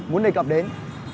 muốn đề cập đến